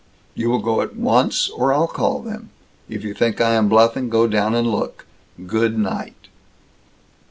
You will go at once, or I'll call them. If you think I am bluffing, go down and look. Good night!"